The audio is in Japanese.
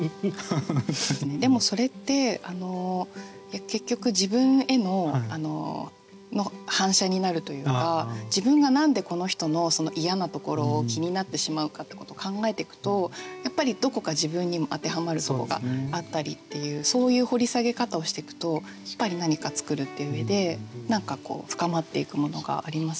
でもそれって結局自分が何でこの人の嫌なところを気になってしまうかってことを考えてくとやっぱりどこか自分にも当てはまるとこがあったりっていうそういう掘り下げ方をしてくとやっぱり何か作るっていう上で深まっていくものがあります。